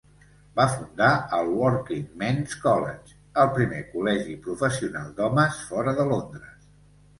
Va fundar el Working Men's College, el primer col·legi professional d'homes fora de Londres.